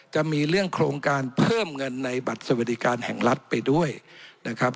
จะมีเรื่องโครงการเพิ่มเงินในบัตรสวัสดิการแห่งรัฐไปด้วยนะครับ